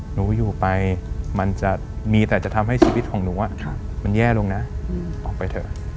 หนูอยู่ไปมันจะมีแต่จะทำให้ชีวิตของหนูมันแย่ลงนะออกไปเถอะ